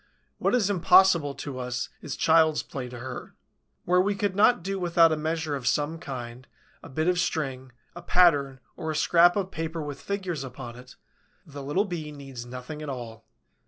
What is impossible to us is child's play to her. Where we could not do without a measure of some kind, a bit of string, a pattern or a scrap of paper with figures upon it, the little Bee needs nothing at all.